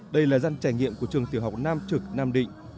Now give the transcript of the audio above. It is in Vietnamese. đây là dân trải nghiệm của trường tiểu học nam trực nam định